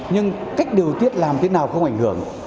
nhưng cách điều tiết làm thế nào không ảnh hưởng